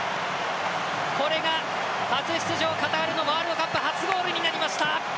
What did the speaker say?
これが初出場、カタールのワールドカップ初ゴールになりました。